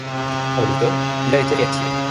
En automne, il a été réactivé.